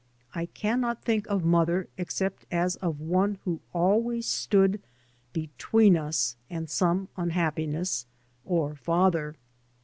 I cannot think of mother except as of one who always stood between us and some unhappiness, or father.